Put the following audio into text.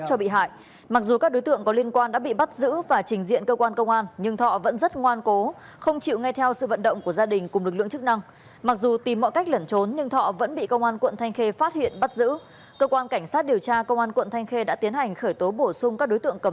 hôm qua cơ quan cảnh sát điều tra bộ công an cho biết đã tiến hành khởi tố bắt tạm giam